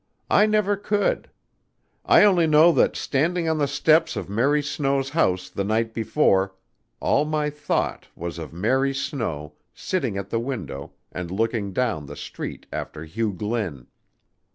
I never could. I only know that standing on the steps of Mary Snow's house the night before, all my thought was of Mary Snow sitting at the window and looking down the street after Hugh Glynn.